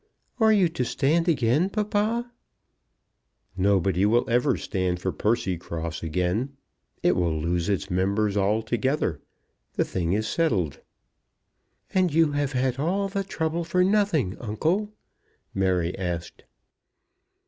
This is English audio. "Are you to stand again, papa?" "Nobody will ever stand for Percycross again. It will lose its members altogether. The thing is settled." "And you have had all the trouble for nothing, uncle?" Mary asked.